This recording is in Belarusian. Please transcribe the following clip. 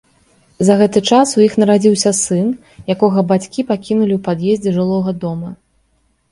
За гэты час у іх нарадзіўся сын, якога бацькі пакінулі ў пад'ездзе жылога дома.